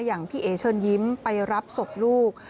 อย่างพี่เอ๋เชิญยิ้มไปรับศพลูก